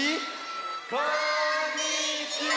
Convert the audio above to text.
こんにちは！